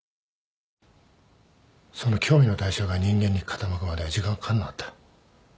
その興味の対象が人間に傾くまで時間はかからなかった。